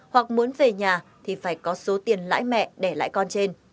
hoặc muốn về nhà thì phải có số tiền lãi mẹ để lãi con trên